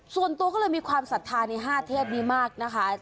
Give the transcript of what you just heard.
ส่วนตัวก็เลยมีความศรัทธาใน๕เทพนี้มากนะคะ